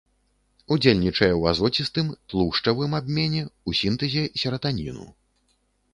Удзельнічае ў азоцістым, тлушчавым абмене, у сінтэзе сератаніну.